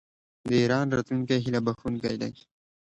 د ایران راتلونکی هیله بښونکی دی.